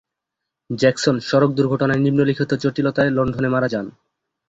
Jackson সড়ক দুর্ঘটনায় নিম্নলিখিত জটিলতার লন্ডনে মারা যান।